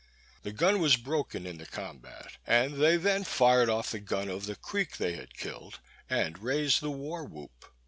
The gun was broken in the combat, and they then fired off the gun of the Creek they had killed, and raised the war whoop.